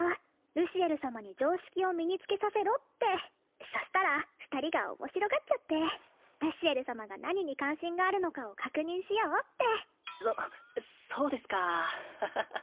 ルシエル様に常識を身につけさせろってそしたら二人が面白がっちゃってルシエル様が何に関心があるのかを確認しようってそそうですかハハハ